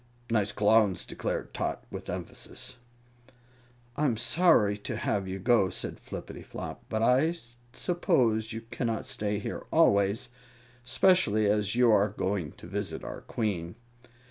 "Nice Clowns," declared Tot, with emphasis. "I'm sorry to have you go," said Flippityflop, "but I suppose you cannot stay here always, especially as you are going to visit our Queen."